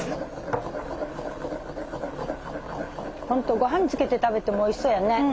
本当ごはんにつけて食べてもおいしそうやね。